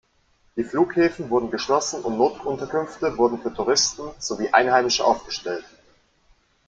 Die Flughäfen wurden geschlossen und Notunterkünfte wurden für Touristen, sowie Einheimische aufgestellt.